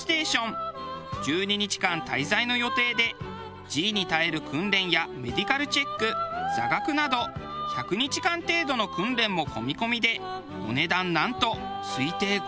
１２日間滞在の予定でＧに耐える訓練やメディカルチェック座学など１００日間程度の訓練も込み込みでお値段なんと推定５０億円。